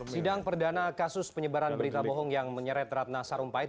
sidang perdana kasus penyebaran berita bohong yang menyeret ratna sarumpait